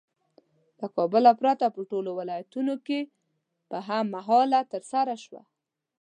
له کابل پرته په ټولو ولایتونو کې په هم مهاله ترسره شوه.